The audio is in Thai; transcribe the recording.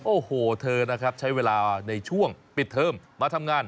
โอ้โหเธอนะครับใช้เวลาในช่วงปิดเทอมมาทำงาน